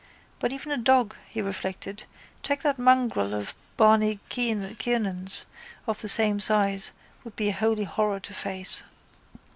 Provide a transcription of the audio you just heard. But even a dog, he reflected, take that mongrel in Barney Kiernan's, of the same size, would be a holy horror to face.